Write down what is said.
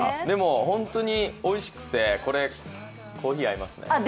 でも、本当においしくてこれ、コーヒー合いますね。